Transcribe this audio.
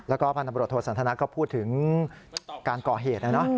แล้วก็พันธบรวจโทสันทนาก็พูดถึงการก่อเหตุนะเนอะ